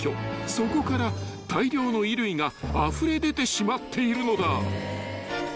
［そこから大量の衣類があふれ出てしまっているのだ］